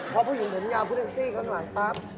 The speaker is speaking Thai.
พอผู้หญิงเห็นยาวผู้ทักซี่ข้างหลังปั๊บ